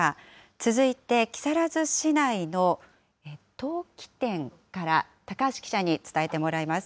続いて、木更津市内の陶器店から、高橋記者に伝えてもらいます。